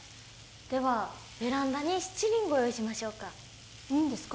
ではベランダに七輪ご用意しましょうかいいんですか？